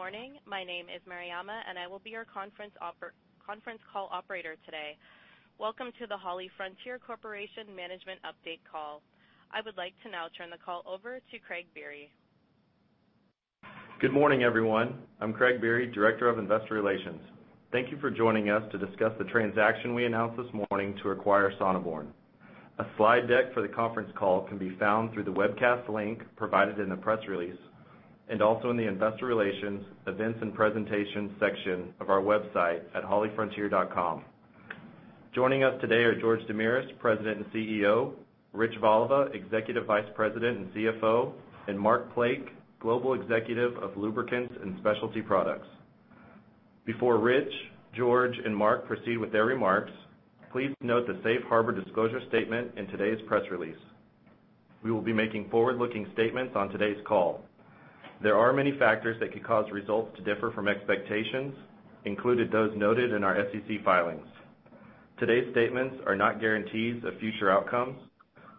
Good morning. My name is Mariama, I will be your conference call operator today. Welcome to the HollyFrontier Corporation Management Update Call. I would like to now turn the call over to Craig Biery. Good morning, everyone. I'm Craig Biery, Director of Investor Relations. Thank you for joining us to discuss the transaction we announced this morning to acquire Sonneborn. A slide deck for the conference call can be found through the webcast link provided in the press release and also in the Investor Relations Events and Presentation section of our website at hollyfrontier.com. Joining us today are George Damiris, President and CEO, Rich Voliva, Executive Vice President and CFO, and Mark Plake, Global Executive of Lubricants and Specialty Products. Before Rich, George, and Mark proceed with their remarks, please note the safe harbor disclosure statement in today's press release. We will be making forward-looking statements on today's call. There are many factors that could cause results to differ from expectations, including those noted in our SEC filings. Today's statements are not guarantees of future outcomes.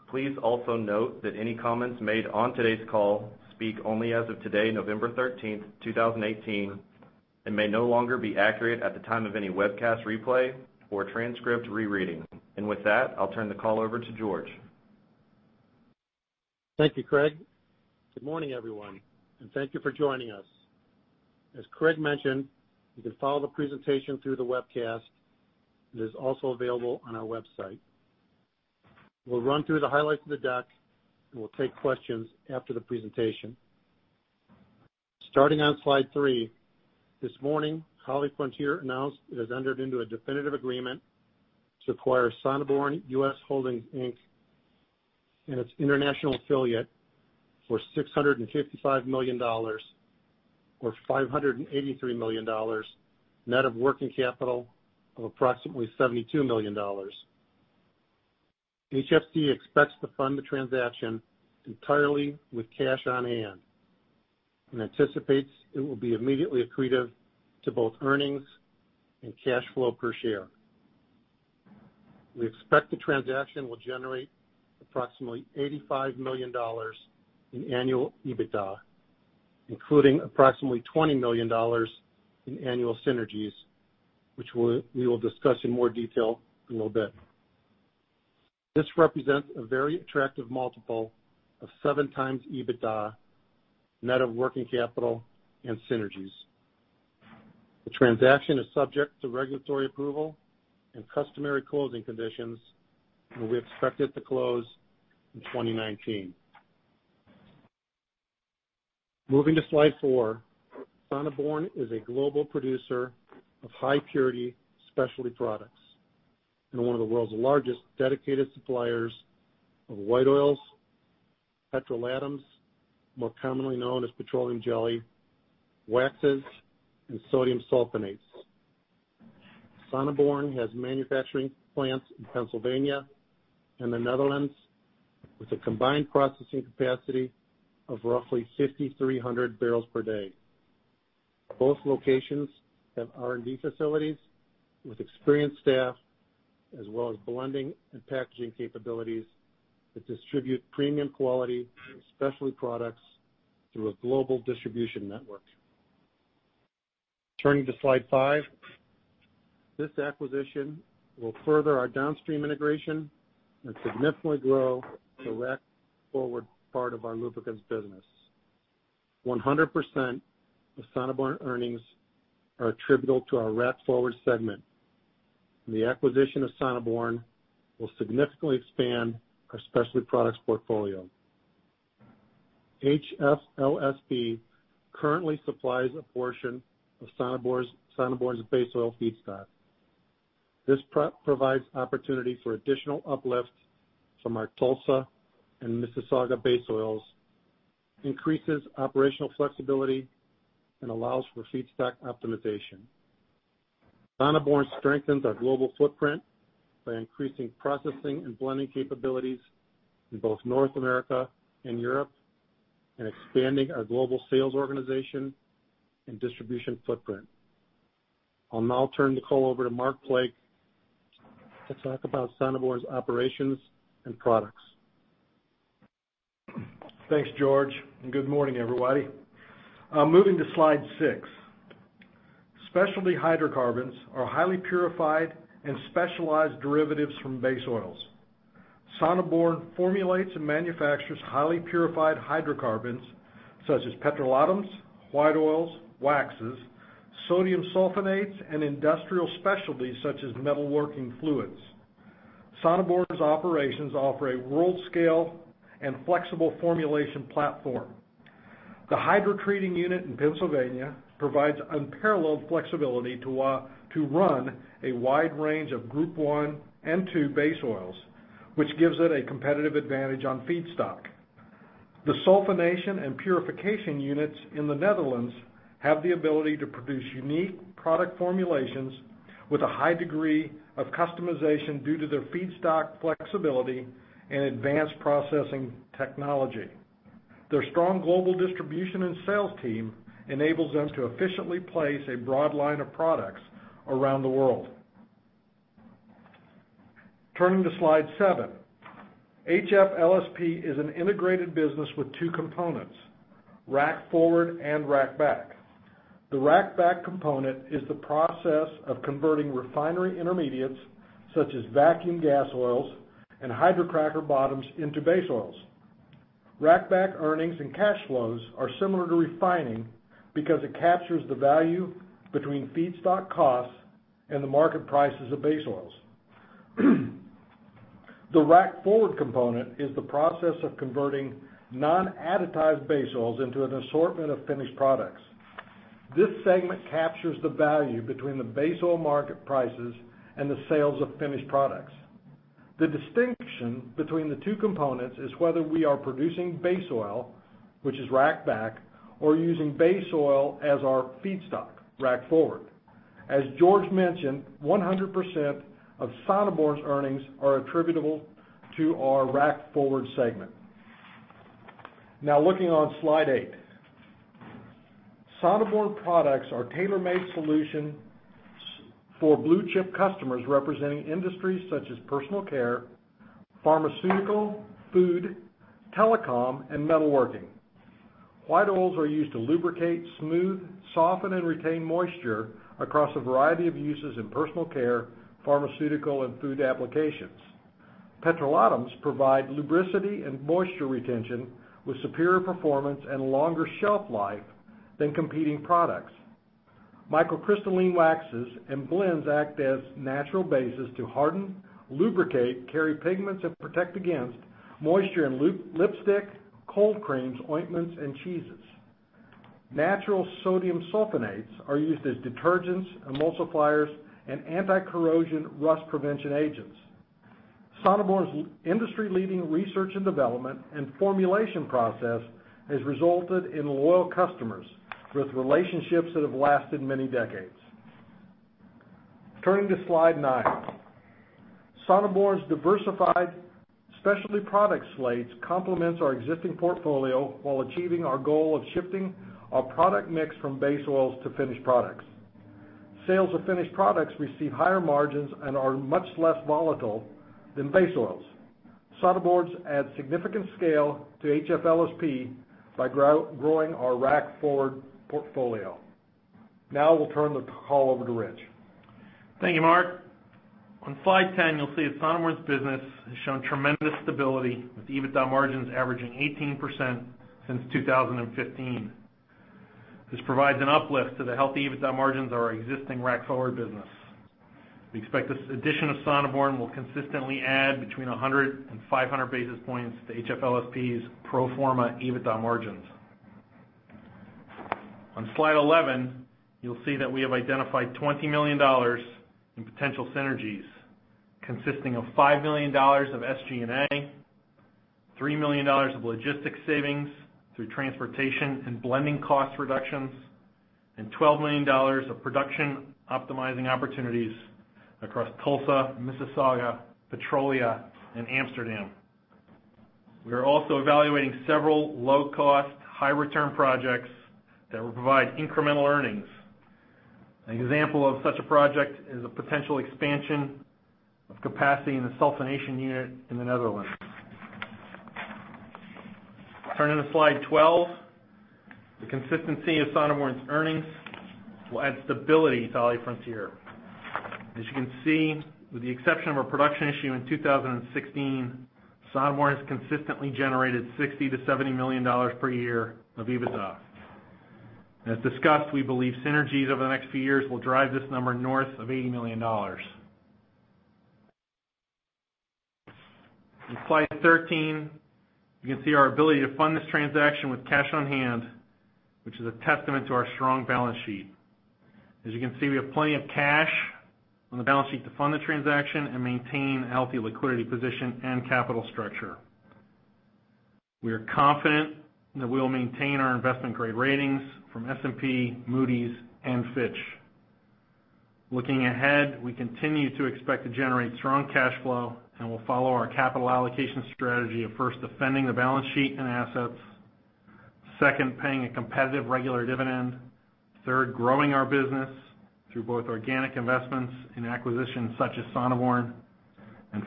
Please also note that any comments made on today's call speak only as of today, November 13th, 2018, and may no longer be accurate at the time of any webcast replay or transcript rereading. With that, I'll turn the call over to George. Thank you, Craig. Good morning, everyone, thank you for joining us. As Craig mentioned, you can follow the presentation through the webcast. It is also available on our website. We'll run through the highlights of the deck, we'll take questions after the presentation. Starting on slide three. This morning, HollyFrontier announced it has entered into a definitive agreement to acquire Sonneborn US Holdings, Inc., and its international affiliate for $655 million, or $583 million, net of working capital of approximately $72 million. HFC expects to fund the transaction entirely with cash on hand and anticipates it will be immediately accretive to both earnings and cash flow per share. We expect the transaction will generate approximately $85 million in annual EBITDA, including approximately $20 million in annual synergies, which we will discuss in more detail in a little bit. This represents a very attractive multiple of 7x EBITDA net of working capital and synergies. The transaction is subject to regulatory approval and customary closing conditions, and we expect it to close in 2019. Moving to slide four. Sonneborn is a global producer of high-purity specialty products and one of the world's largest dedicated suppliers of white oils, petrolatum, more commonly known as petroleum jelly, waxes, and sodium sulfonates. Sonneborn has manufacturing plants in Pennsylvania and the Netherlands with a combined processing capacity of roughly 5,300 bbl per day. Both locations have R&D facilities with experienced staff, as well as blending and packaging capabilities that distribute premium quality and specialty products through a global distribution network. Turning to slide five. This acquisition will further our downstream integration and significantly grow the rack forward part of our lubricants business. 100% of Sonneborn earnings are attributable to our rack forward segment. The acquisition of Sonneborn will significantly expand our specialty products portfolio. HFLSP currently supplies a portion of Sonneborn's base oil feedstock. This provides opportunity for additional uplift from our Tulsa and Mississauga base oils, increases operational flexibility, and allows for feedstock optimization. Sonneborn strengthens our global footprint by increasing processing and blending capabilities in both North America and Europe and expanding our global sales organization and distribution footprint. I'll now turn the call over to Mark Plake to talk about Sonneborn's operations and products. Thanks, George, and good morning, everybody. Moving to slide six. Specialty hydrocarbons are highly purified and specialized derivatives from base oils. Sonneborn formulates and manufactures highly purified hydrocarbons such as petrolatum, white oils, waxes, sodium sulfonates, and industrial specialties such as metalworking fluids. Sonneborn's operations offer a world-scale and flexible formulation platform. The hydrotreating unit in Pennsylvania provides unparalleled flexibility to run a wide range of Group I and II base oils, which gives it a competitive advantage on feedstock. The sulfonation and purification units in the Netherlands have the ability to produce unique product formulations with a high degree of customization due to their feedstock flexibility and advanced processing technology. Their strong global distribution and sales team enables them to efficiently place a broad line of products around the world. Turning to slide seven. HFLSP is an integrated business with two components, rack forward and rack back. The rack back component is the process of converting refinery intermediates, such as vacuum gas oils and hydrocracker bottoms, into base oils. Rack back earnings and cash flows are similar to refining because it captures the value between feedstock costs and the market prices of base oils. The rack forward component is the process of converting non-additized base oils into an assortment of finished products. This segment captures the value between the base oil market prices and the sales of finished products. The distinction between the two components is whether we are producing base oil, which is rack back, or using base oil as our feedstock, rack forward. As George mentioned, 100% of Sonneborn's earnings are attributable to our rack forward segment. Now, looking on slide eight. Sonneborn products are tailor-made solutions for blue chip customers representing industries such as personal care, pharmaceutical, food, telecom, and metalworking. White oils are used to lubricate, smooth, soften, and retain moisture across a variety of uses in personal care, pharmaceutical, and food applications. Petrolatums provide lubricity and moisture retention with superior performance and longer shelf life than competing products. Microcrystalline waxes and blends act as natural bases to harden, lubricate, carry pigments, and protect against moisture in lipstick, cold creams, ointments, and cheeses. Natural sodium sulfonates are used as detergents, emulsifiers, and anti-corrosion rust prevention agents. Sonneborn's industry-leading research and development and formulation process has resulted in loyal customers with relationships that have lasted many decades. Turning to slide 9. Sonneborn's diversified specialty product slate complements our existing portfolio while achieving our goal of shifting our product mix from base oils to finished products. Sales of finished products receive higher margins and are much less volatile than base oils. Sonneborn adds significant scale to HFLSP by growing our rack forward portfolio. Now we'll turn the call over to Rich. Thank you, Mark. On slide 10, you'll see that Sonneborn's business has shown tremendous stability with EBITDA margins averaging 18% since 2015. This provides an uplift to the healthy EBITDA margins of our existing rack forward business. We expect this addition of Sonneborn will consistently add between 100 and 500 basis points to HFLSP's pro forma EBITDA margins. On slide 11, you'll see that we have identified $20 million in potential synergies, consisting of $5 million of SG&A, $3 million of logistics savings through transportation and blending cost reductions, and $12 million of production optimizing opportunities across Tulsa, Mississauga, Petrolia, and Amsterdam. We are also evaluating several low-cost, high-return projects that will provide incremental earnings. An example of such a project is a potential expansion of capacity in the sulfonation unit in the Netherlands. Turning to slide 12. The consistency of Sonneborn's earnings will add stability to HollyFrontier. As you can see, with the exception of a production issue in 2016, Sonneborn has consistently generated $60 million-$70 million per year of EBITDA. As discussed, we believe synergies over the next few years will drive this number north of $80 million. On slide 13, you can see our ability to fund this transaction with cash on hand, which is a testament to our strong balance sheet. As you can see, we have plenty of cash on the balance sheet to fund the transaction and maintain a healthy liquidity position and capital structure. We are confident that we will maintain our investment-grade ratings from S&P, Moody's, and Fitch. Looking ahead, we continue to expect to generate strong cash flow, and we'll follow our capital allocation strategy of, first, defending the balance sheet and assets. Second, paying a competitive, regular dividend. Third, growing our business through both organic investments and acquisitions such as Sonneborn.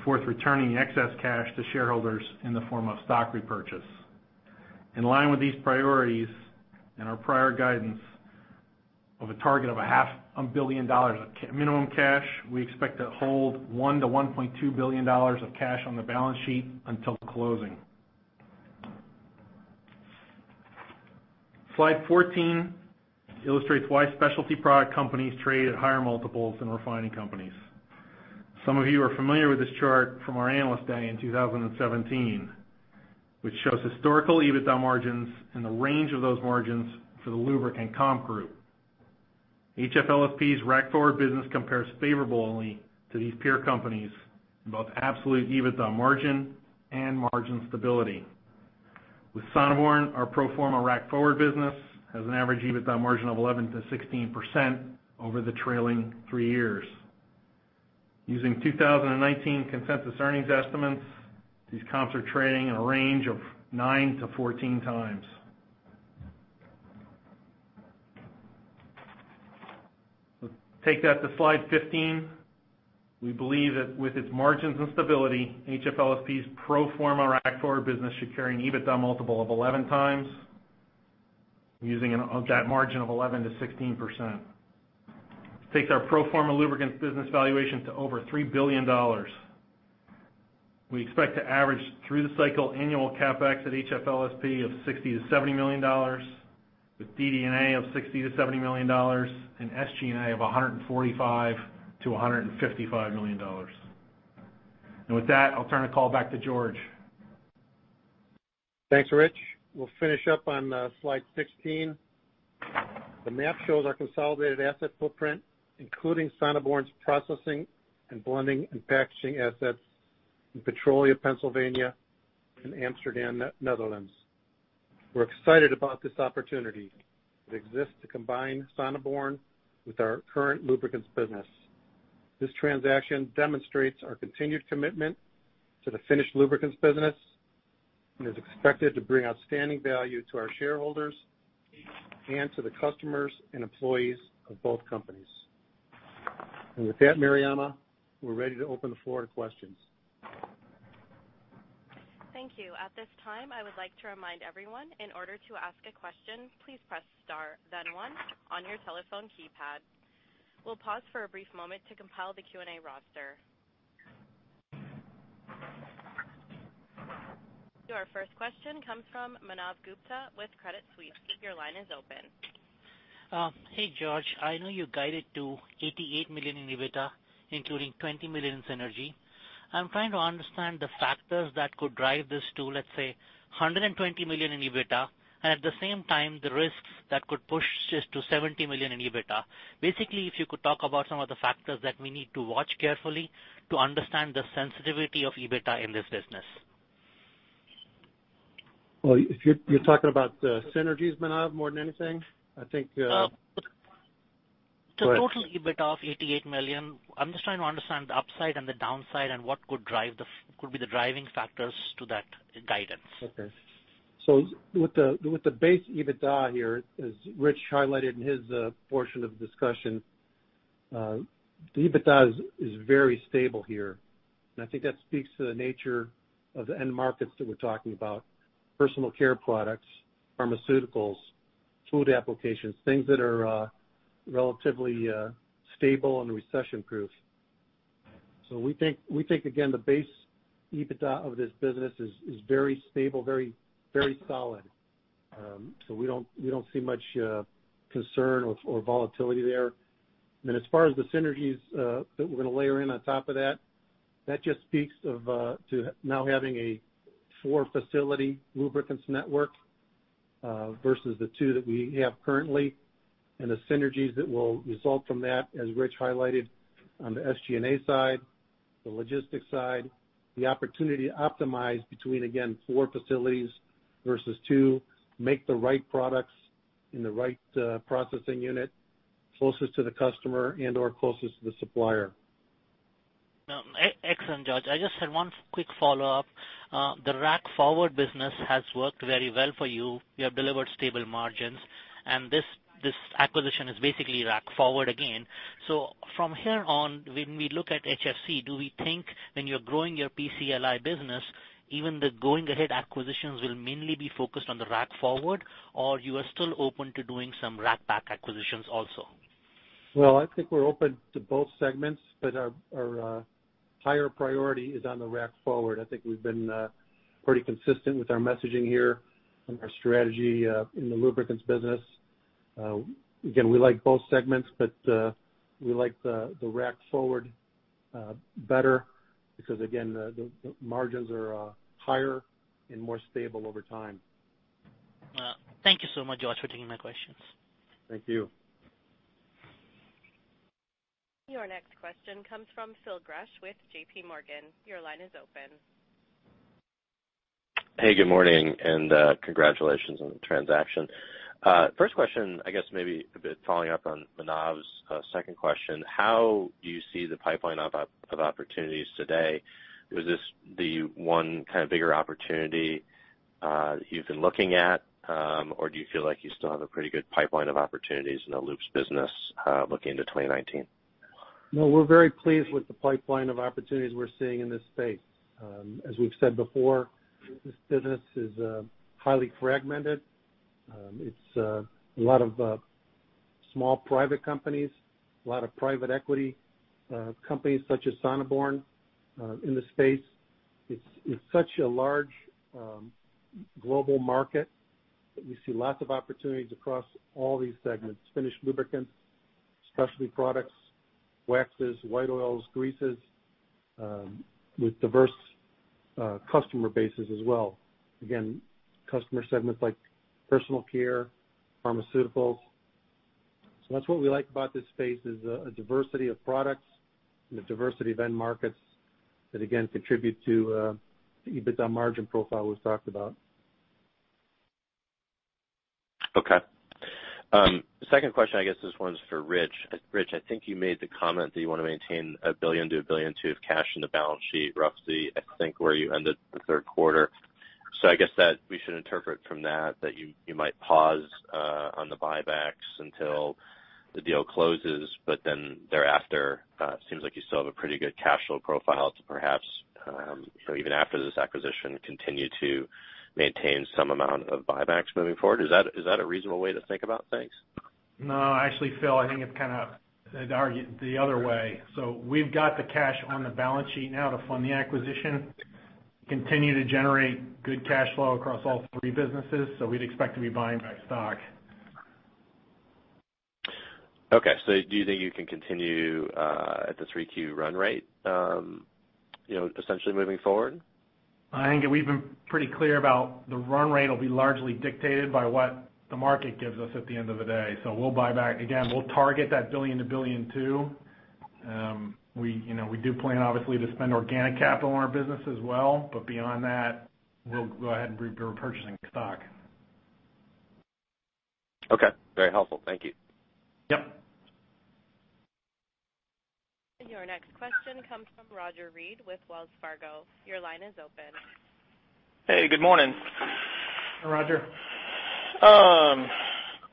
Fourth, returning excess cash to shareholders in the form of stock repurchase. In line with these priorities and our prior guidance of a target of a half a billion dollars of minimum cash, we expect to hold $1 billion-$1.2 billion of cash on the balance sheet until closing. Slide 14 illustrates why specialty product companies trade at higher multiples than refining companies. Some of you are familiar with this chart from our Analyst Day in 2017, which shows historical EBITDA margins and the range of those margins for the lubes and comp group. HFLSP's rack forward business compares favorably to these peer companies in both absolute EBITDA margin and margin stability. With Sonneborn, our pro forma rack forward business has an average EBITDA margin of 11%-16% over the trailing three years. Using 2019 consensus earnings estimates, these comps are trading in a range of 9x-14x. Let's take that to slide 15. We believe that with its margins and stability, HFLSP's pro forma rack forward business should carry an EBITDA multiple of 11x using that margin of 11%-16%. It takes our pro forma lubricants business valuation to over $3 billion. We expect to average through the cycle annual CapEx at HFLSP of $60 million-$70 million, with DD&A of $60 million-$70 million, and SG&A of $145 million-$155 million. With that, I'll turn the call back to George. Thanks, Rich. We'll finish up on slide 16. The map shows our consolidated asset footprint, including Sonneborn's processing and blending and packaging assets in Petrolia, Pennsylvania, and Amsterdam, Netherlands. We're excited about this opportunity that exists to combine Sonneborn with our current lubricants business. This transaction demonstrates our continued commitment to the finished lubricants business and is expected to bring outstanding value to our shareholders and to the customers and employees of both companies. With that, Mariama, we're ready to open the floor to questions. Thank you. At this time, I would like to remind everyone, in order to ask a question, please press star then one on your telephone keypad. We'll pause for a brief moment to compile the Q&A roster. Our first question comes from Manav Gupta with Credit Suisse. Your line is open. Hey, George. I know you guided to $88 million in EBITDA, including $20 million in synergy. I'm trying to understand the factors that could drive this to, let's say, $120 million in EBITDA, and at the same time, the risks that could push this to $70 million in EBITDA. If you could talk about some of the factors that we need to watch carefully to understand the sensitivity of EBITDA in this business. You're talking about the synergies, Manav, more than anything? The total EBITDA of $88 million. I'm just trying to understand the upside and the downside and what could be the driving factors to that guidance. Okay. With the base EBITDA here, as Rich highlighted in his portion of the discussion, the EBITDA is very stable here. I think that speaks to the nature of the end markets that we're talking about, personal care products, pharmaceuticals, food applications, things that are relatively stable and recession-proof. We think, again, the base EBITDA of this business is very stable, very solid. We don't see much concern or volatility there. As far as the synergies that we're going to layer in on top of that just speaks to now having a 4 facility lubricants network versus the 2 that we have currently, and the synergies that will result from that, as Rich highlighted on the SG&A side, the logistics side, the opportunity to optimize between, again, 4 facilities versus 2, make the right products in the right processing unit closest to the customer and/or closest to the supplier. Excellent, George. I just had 1 quick follow-up. The rack forward business has worked very well for you. You have delivered stable margins, and this acquisition is basically rack forward again. From here on, when we look at HFC, do we think when you're growing your PCLI business, even the going ahead acquisitions will mainly be focused on the rack forward, or you are still open to doing some rack back acquisitions also? I think we're open to both segments, but our higher priority is on the rack forward. I think we've been pretty consistent with our messaging here and our strategy in the lubricants business. Again, we like both segments, but we like the rack forward better because, again, the margins are higher and more stable over time. Thank you so much, George, for taking my questions. Thank you. Your next question comes from Phil Gresh with JPMorgan. Your line is open. Hey, good morning, and congratulations on the transaction. First question, I guess maybe a bit following up on Manav's second question, how do you see the pipeline of opportunities today? Was this the one kind of bigger opportunity that you've been looking at? Or do you feel like you still have a pretty good pipeline of opportunities in the lubes business looking into 2019? We're very pleased with the pipeline of opportunities we're seeing in this space. As we've said before, this business is highly fragmented. It's a lot of small private companies, a lot of private equity companies such as Sonneborn in the space. It's such a large global market that we see lots of opportunities across all these segments, finished lubricants, specialty products, waxes, white oils, greases, with diverse customer bases as well. Again, customer segments like personal care, pharmaceuticals. That's what we like about this space is a diversity of products and a diversity of end markets that again contribute to the EBITDA margin profile we've talked about. Okay. The second question, I guess this one's for Rich. Rich, I think you made the comment that you want to maintain $1 billion-$1.2 billion of cash on the balance sheet, roughly, I think, where you ended the third quarter. I guess that we should interpret from that you might pause on the buybacks until the deal closes, thereafter, seems like you still have a pretty good cash flow profile to perhaps, even after this acquisition, continue to maintain some amount of buybacks moving forward. Is that a reasonable way to think about things? No. Actually, Phil, I think it's kind of the other way. We've got the cash on the balance sheet now to fund the acquisition, continue to generate good cash flow across all three businesses. We'd expect to be buying back stock. Okay. Do you think you can continue, at the 3Q run rate essentially moving forward? I think we've been pretty clear about the run rate will be largely dictated by what the market gives us at the end of the day. We'll buy back. Again, we'll target that $1 billion-$1.2 billion. We do plan obviously to spend organic capital on our business as well, beyond that, we'll go ahead and repurchasing stock. Okay. Very helpful. Thank you. Yep. Your next question comes from Roger Read with Wells Fargo. Your line is open. Hey, good morning. Hi, Roger.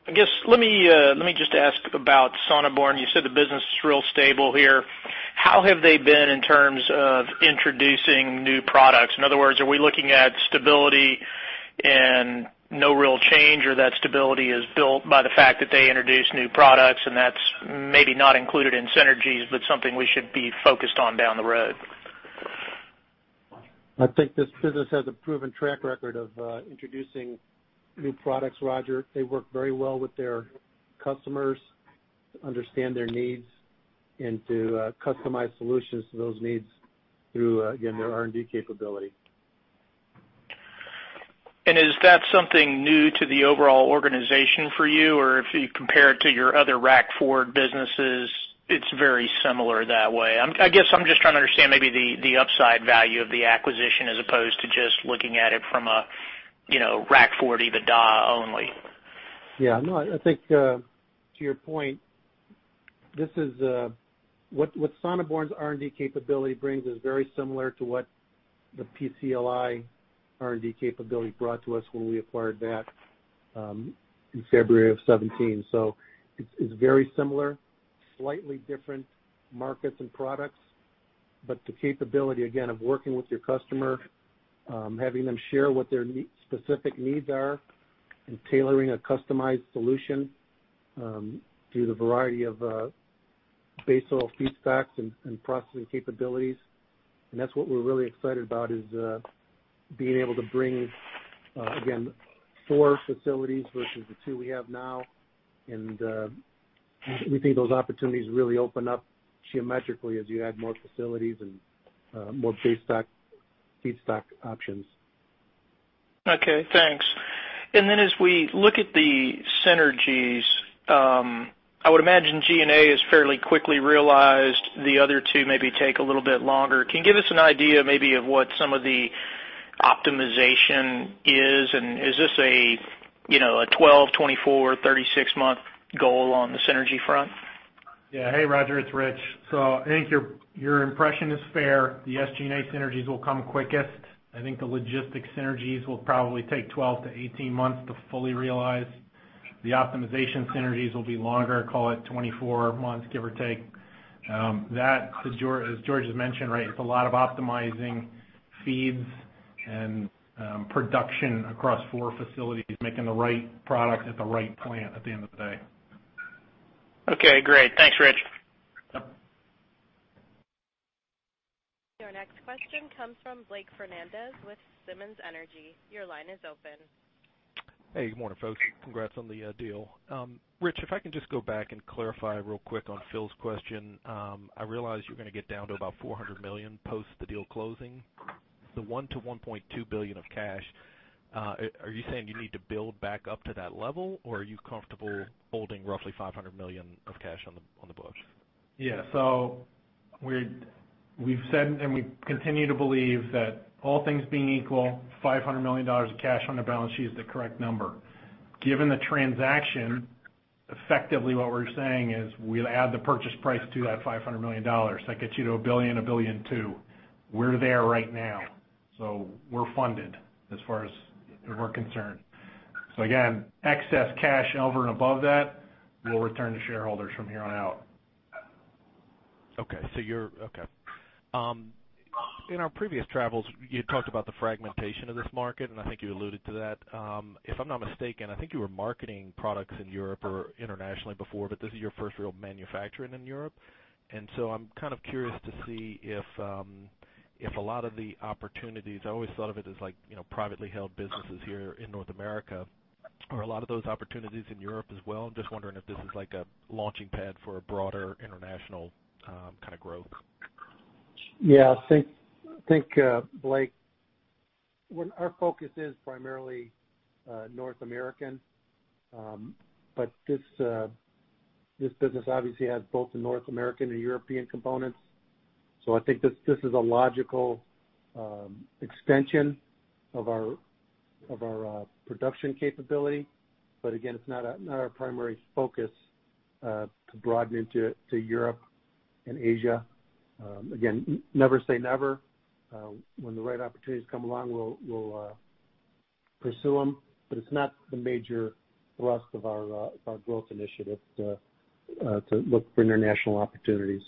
I guess, let me just ask about Sonneborn. You said the business is real stable here. How have they been in terms of introducing new products? In other words, are we looking at stability and no real change, or that stability is built by the fact that they introduce new products and that's maybe not included in synergies, but something we should be focused on down the road? I think this business has a proven track record of introducing new products, Roger. They work very well with their customers to understand their needs and to customize solutions to those needs through, again, their R&D capability. Is that something new to the overall organization for you? Or if you compare it to your other rack forward businesses, it's very similar that way. I guess I'm just trying to understand maybe the upside value of the acquisition as opposed to just looking at it from a rack forward EBITDA only. Yeah. No, I think, to your point, what Sonneborn's R&D capability brings is very similar to what the PCLI R&D capability brought to us when we acquired that in February of 2017. It's very similar. Slightly different markets and products, but the capability, again, of working with your customer, having them share what their specific needs are, and tailoring a customized solution through the variety of base oil feedstocks and processing capabilities. That's what we're really excited about, is being able to bring again, four facilities versus the two we have now. We think those opportunities really open up geometrically as you add more facilities and more base stock, feedstock options. Okay, thanks. As we look at the synergies, I would imagine G&A is fairly quickly realized, the other two maybe take a little bit longer. Can you give us an idea maybe of what some of the optimization is? Is this a 12, 24, 36 month goal on the synergy front? Yeah. Hey, Roger, it's Rich. I think your impression is fair. The SG&A synergies will come quickest. I think the logistics synergies will probably take 12 to 18 months to fully realize. The optimization synergies will be longer, call it 24 months, give or take. That, as George has mentioned, right, it's a lot of optimizing feeds and production across four facilities, making the right product at the right plant at the end of the day. Okay, great. Thanks, Rich. Yep. Your next question comes from Blake Fernandez with Simmons Energy. Your line is open. Hey, good morning, folks. Congrats on the deal. Rich, if I can just go back and clarify real quick on Phil's question. I realize you're going to get down to about $400 million post the deal closing. The $1 billion-$1.2 billion of cash, are you saying you need to build back up to that level, or are you comfortable holding roughly $500 million of cash on the books? Yeah. We've said, and we continue to believe that all things being equal, $500 million of cash on the balance sheet is the correct number. Given the transaction, effectively what we're saying is we'll add the purchase price to that $500 million. That gets you to $1 billion, $1.2 billion. We're there right now, so we're funded as far as we're concerned. Again, excess cash over and above that will return to shareholders from here on out. Okay. In our previous travels, you had talked about the fragmentation of this market, and I think you alluded to that. If I'm not mistaken, I think you were marketing products in Europe or internationally before, but this is your first real manufacturing in Europe. I'm kind of curious to see if a lot of the opportunities, I always thought of it as like privately held businesses here in North America or a lot of those opportunities in Europe as well. I'm just wondering if this is like a launching pad for a broader international kind of growth. Yeah. I think, Blake, our focus is primarily North American. This business obviously has both the North American and European components I think this is a logical extension of our production capability. Again, it's not our primary focus to broaden into Europe and Asia. Again, never say never. When the right opportunities come along, we'll pursue them, but it's not the major thrust of our growth initiative to look for international opportunities.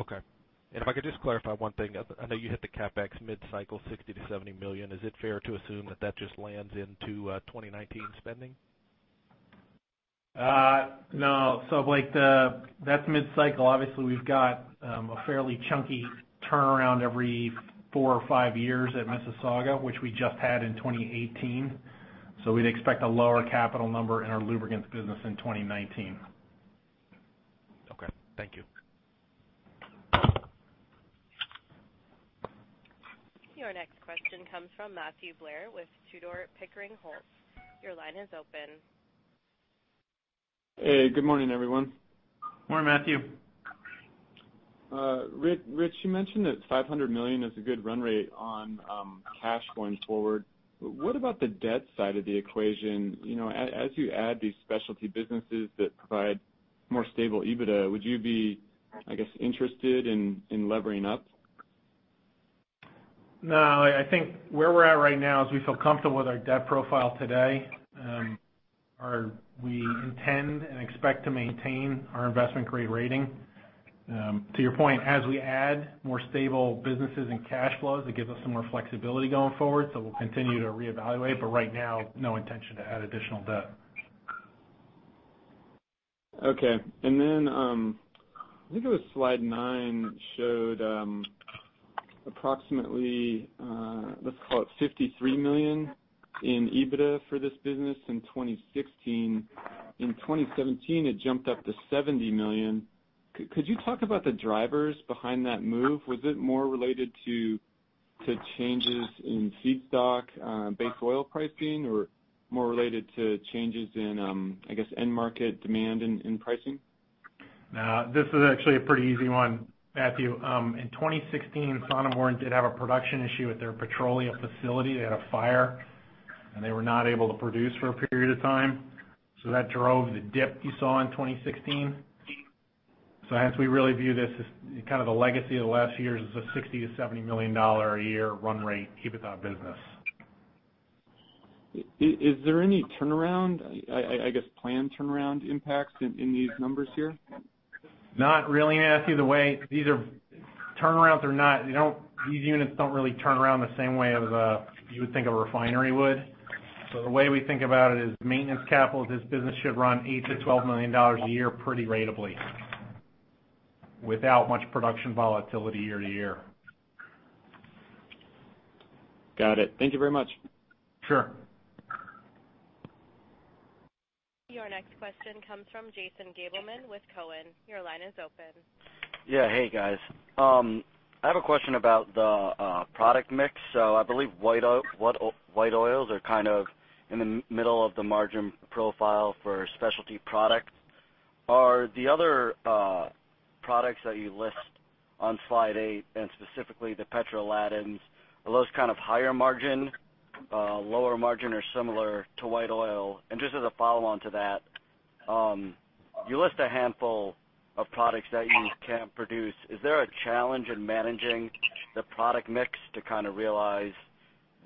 Okay. If I could just clarify one thing. I know you hit the CapEx mid-cycle $60 million-$70 million. Is it fair to assume that that just lands into 2019 spending? No. Blake, that's mid-cycle. Obviously, we've got a fairly chunky turnaround every four or five years at Mississauga, which we just had in 2018. We'd expect a lower capital number in our lubricants business in 2019. Okay. Thank you. Your next question comes from Matthew Blair with Tudor, Pickering Holt. Your line is open. Hey, good morning, everyone. Morning, Matthew. Rich, you mentioned that $500 million is a good run rate on cash going forward. What about the debt side of the equation? As you add these specialty businesses that provide more stable EBITDA, would you be, I guess, interested in levering up? No, I think where we're at right now is we feel comfortable with our debt profile today. We intend and expect to maintain our investment-grade rating. To your point, as we add more stable businesses and cash flows, it gives us some more flexibility going forward. We'll continue to reevaluate, but right now, no intention to add additional debt. Okay. I think it was slide 9 showed approximately, let's call it $53 million in EBITDA for this business in 2016. In 2017, it jumped up to $70 million. Could you talk about the drivers behind that move? Was it more related to changes in feedstock, base oil pricing, or more related to changes in, I guess end market demand in pricing? No, this is actually a pretty easy one, Matthew. In 2016, Sonneborn did have a production issue at their Petrolia facility. They had a fire, and they were not able to produce for a period of time. That drove the dip you saw in 2016. As we really view this as kind of the legacy of the last years is a $60 million-$70 million a year run rate EBITDA business. Is there any turnaround, I guess planned turnaround impacts in these numbers here? Not really, Matthew. These are turnarounds. These units don't really turn around the same way as you would think a refinery would. The way we think about it is maintenance capital of this business should run $8 million to $12 million a year pretty ratably without much production volatility year to year. Got it. Thank you very much. Sure. Your next question comes from Jason Gabelman with Cowen. Your line is open. Yeah. Hey, guys. I have a question about the product mix. I believe white oils are in the middle of the margin profile for specialty products. Are the other products that you list on slide eight, and specifically the petrolatums, are those higher margin, lower margin, or similar to white oil? Just as a follow-on to that, you list a handful of products that you can produce. Is there a challenge in managing the product mix to realize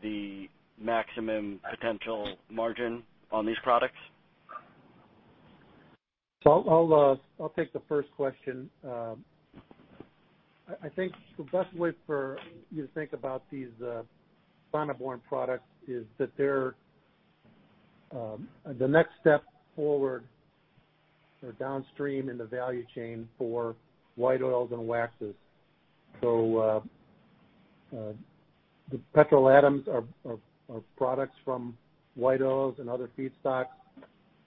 the maximum potential margin on these products? I'll take the first question. I think the best way for you to think about these Sonneborn products is that they're the next step forward or downstream in the value chain for white oils and waxes. The petrolatums are products from white oils and other feedstocks,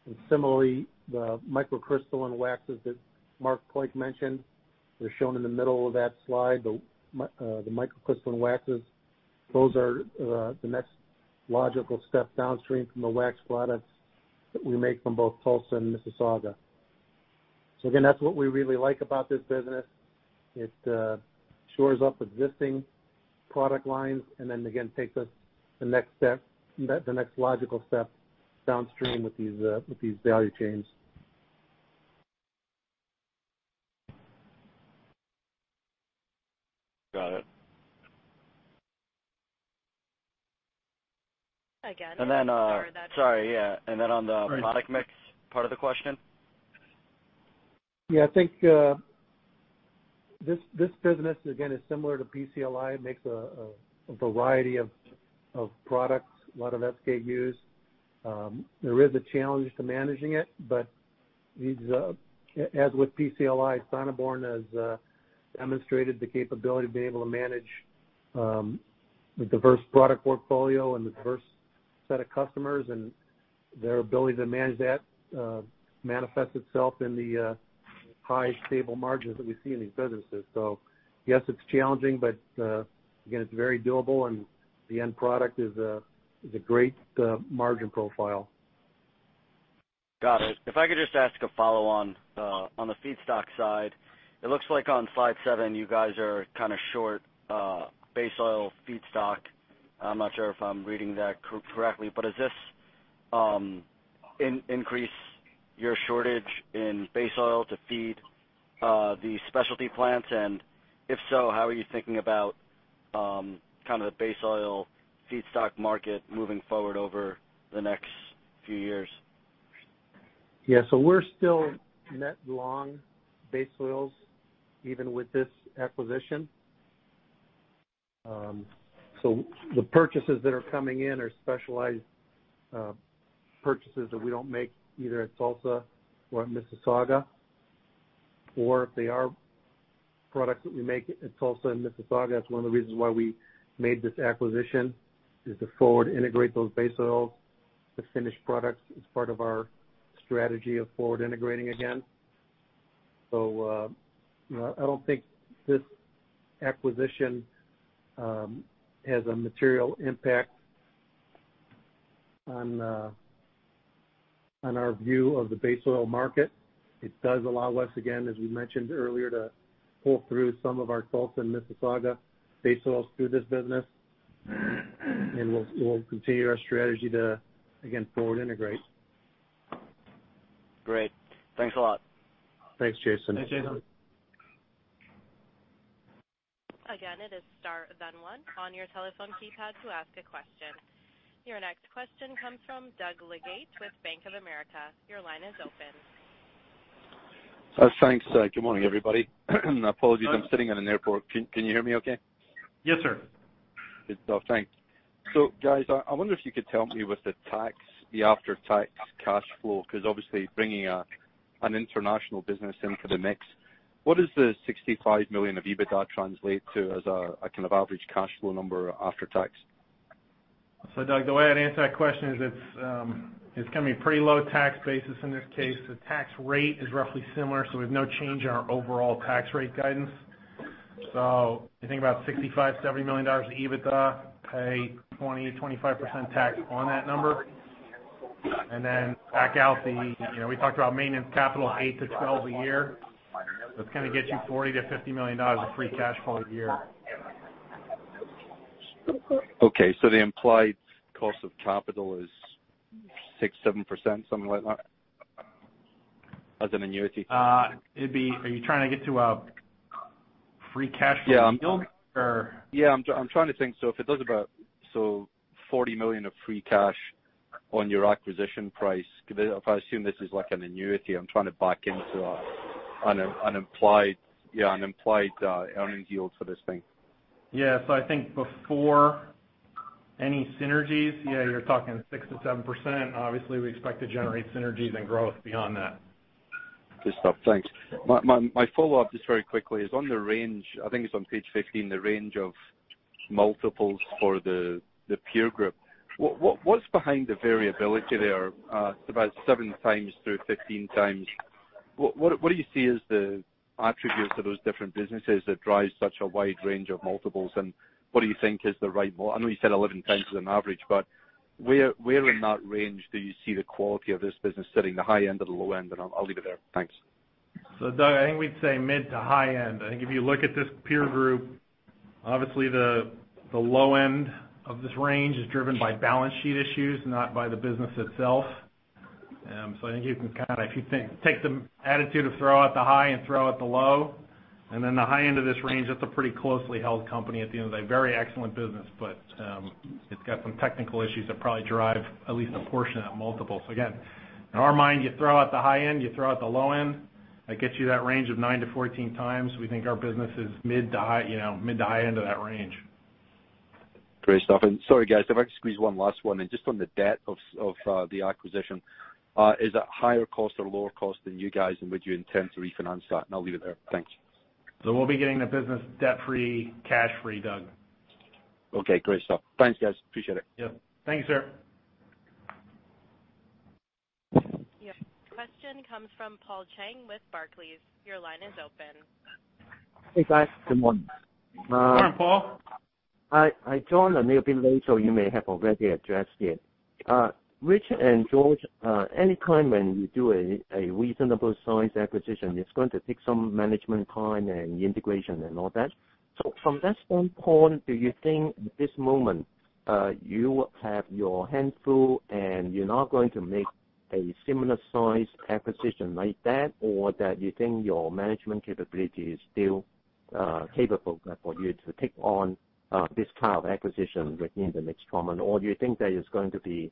and similarly, the microcrystalline waxes that Matt Joyce mentioned are shown in the middle of that slide. The microcrystalline waxes, those are the next logical step downstream from the wax products that we make from both Tulsa and Mississauga. Again, that's what we really like about this business. It shores up existing product lines and then again takes us the next logical step downstream with these value chains. Got it. Again, I'm sorry that- Sorry, yeah. On the product mix part of the question? Yeah, I think this business, again, is similar to PCLI. It makes a variety of products, a lot of SKUs. There is a challenge to managing it, but as with PCLI, Sonneborn has demonstrated the capability to be able to manage a diverse product portfolio and a diverse set of customers, and their ability to manage that manifests itself in the high, stable margins that we see in these businesses. Yes, it's challenging, but again, it's very doable and the end product is a great margin profile. Got it. If I could just ask a follow-on on the feedstock side. It looks like on slide seven, you guys are short base oil feedstock. I'm not sure if I'm reading that correctly, but does this increase your shortage in base oil to feed the specialty plants? If so, how are you thinking about the base oil feedstock market moving forward over the next few years? Yeah. We're still net long base oils even with this acquisition. The purchases that are coming in are specialized purchases that we don't make either at Tulsa or at Mississauga, or if they are products that we make at Tulsa and Mississauga, that's one of the reasons why we made this acquisition, is to forward integrate those base oils to finished products as part of our strategy of forward integrating again. I don't think this acquisition has a material impact on our view of the base oil market. It does allow us, again, as we mentioned earlier, to pull through some of our Tulsa and Mississauga base oils through this business. We'll continue our strategy to, again, forward integrate. Great. Thanks a lot. Thanks, Jason. Thanks, Jason. Again, it is star, then one on your telephone keypad to ask a question. Your next question comes from Doug Leggate with Bank of America. Your line is open. Thanks. Good morning, everybody. Apologies, I'm sitting in an airport. Can you hear me okay? Yes, sir. Good stuff. Thanks. Guys, I wonder if you could tell me what's the after-tax cash flow, because obviously bringing an international business into the mix, what does the $65 million of EBITDA translate to as a kind of average cash flow number after tax? Doug, the way I'd answer that question is it's going to be pretty low tax basis in this case. The tax rate is roughly similar, we have no change in our overall tax rate guidance. If you think about $65 million, $70 million of EBITDA, pay 20%-25% tax on that number, and then back out the maintenance capital, 8-12 a year. That's going to get you $40 million-$50 million of free cash flow a year. Okay. The implied cost of capital is 6%-7%, something like that, as an annuity? Are you trying to get to a free cash flow yield? I'm trying to think. If it does about $40 million of free cash on your acquisition price, if I assume this is like an annuity, I'm trying to back into an implied earnings yield for this thing. Yeah. I think before any synergies, yeah, you're talking 6%-7%. Obviously, we expect to generate synergies and growth beyond that. Good stuff. Thanks. My follow-up, just very quickly, is on the range. I think it's on page 15, the range of multiples for the peer group. What's behind the variability there? It's about 7x-15x. What do you see as the attributes of those different businesses that drive such a wide range of multiples, and what do you think is the right multiple? I know you said 11x as an average, but where in that range do you see the quality of this business sitting, the high end or the low end? I'll leave it there. Thanks. Doug, I think we'd say mid to high end. I think if you look at this peer group, obviously the low end of this range is driven by balance sheet issues, not by the business itself. I think you can if you take the attitude of throw out the high and throw out the low, and then the high end of this range, that's a pretty closely held company at the end of the day. Very excellent business, but it's got some technical issues that probably drive at least a portion of that multiple. Again, in our mind, you throw out the high end, you throw out the low end, that gets you that range of 9x-14x. We think our business is mid to high end of that range. Great stuff. Sorry, guys, if I could squeeze one last one in. Just on the debt of the acquisition. Is that higher cost or lower cost than you guys, and would you intend to refinance that? I'll leave it there. Thanks. We'll be getting the business debt-free, cash free, Doug. Great stuff. Thanks, guys. Appreciate it. Yep. Thank you, sir. Your question comes from Paul Cheng with Barclays. Your line is open. Hey, guys. Good morning. Good morning, Paul. I joined a little bit late, you may have already addressed it. Rich and George, any time when you do a reasonable size acquisition, it's going to take some management time and integration and all that. From that standpoint, do you think at this moment, you have your hands full and you're not going to make a similar size acquisition like that, or that you think your management capability is still capable for you to take on this kind of acquisition within the next term? Or do you think that it's going to be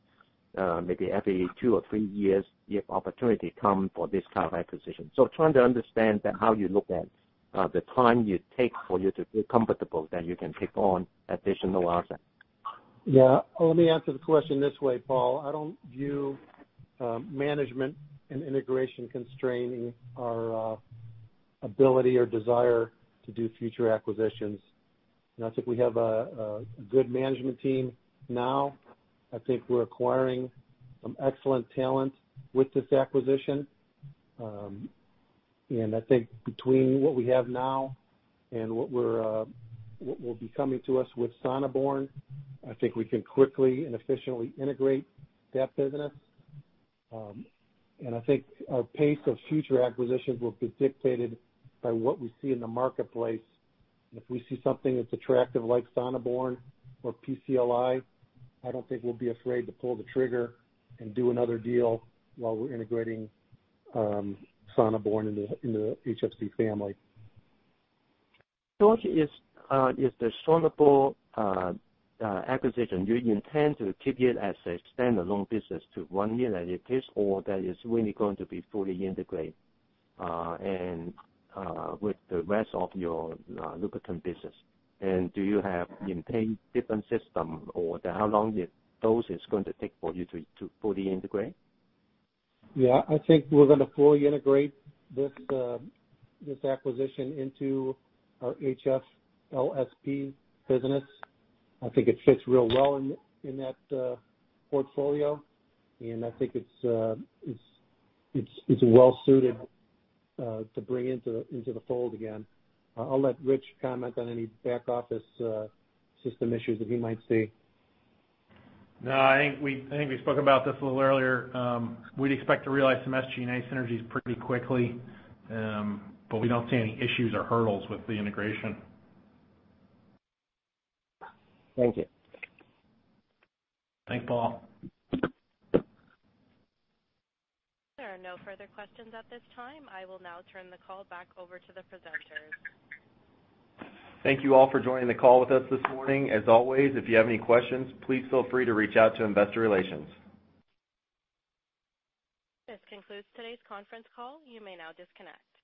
maybe every two or three years, you have opportunity come for this kind of acquisition? Trying to understand how you look at the time you take for you to feel comfortable that you can take on additional assets. Yeah. Let me answer the question this way, Paul. I don't view management and integration constraining our ability or desire to do future acquisitions. I think we have a good management team now. I think we're acquiring some excellent talent with this acquisition. And I think between what we have now and what will be coming to us with Sonneborn, I think we can quickly and efficiently integrate that business. I think our pace of future acquisitions will be dictated by what we see in the marketplace. If we see something that's attractive like Sonneborn or PCLI, I don't think we'll be afraid to pull the trigger and do another deal while we're integrating Sonneborn into HFC family. Franklin, is the Sonneborn acquisition, do you intend to keep it as a stand-alone business to run it as it is, or that is really going to be fully integrated with the rest of your lubricant business? Do you have intent different system, or how long those is going to take for you to fully integrate? Yeah. I think we're going to fully integrate this acquisition into our HFLSP business. I think it fits real well in that portfolio, I think it's well suited to bring into the fold again. I'll let Rich comment on any back-office system issues that he might see. No, I think we spoke about this a little earlier. We'd expect to realize some SG&A synergies pretty quickly, but we don't see any issues or hurdles with the integration. Thank you. Thanks, Paul. There are no further questions at this time. I will now turn the call back over to the presenters. Thank you all for joining the call with us this morning. As always, if you have any questions, please feel free to reach out to investor relations. This concludes today's conference call. You may now disconnect.